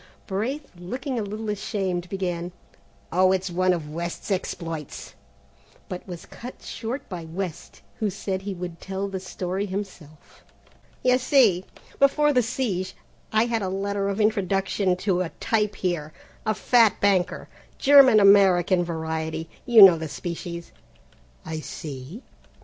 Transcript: Braith, looking a little ashamed, began, "Oh, it's one of West's exploits," but was cut short by West, who said he would tell the story himself. "You see, before the siege, I had a letter of introduction to a 'type' here, a fat banker, German American variety. You know the species, I see.